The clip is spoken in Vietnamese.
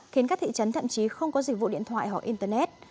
khiến các thị trấn thậm chí không có dịch vụ điện thoại hoặc internet